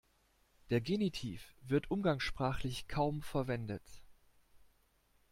Der Genitiv wird umgangssprachlich kaum verwendet.